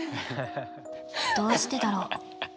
どうしてだろう。